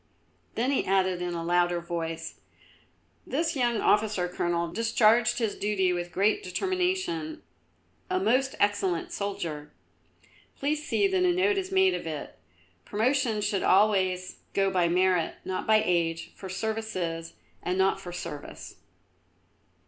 Then he added in a louder voice: "This young officer, Colonel, discharged his duty with great determination, a most excellent soldier. Please see that a note is made of it. Promotion should always go by merit, not by age, for services and not for service.